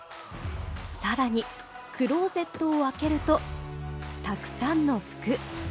さらに、クロゼットを開けると、たくさんの服。